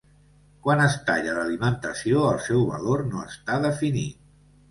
Quan es talla l'alimentació, el seu valor no està definit.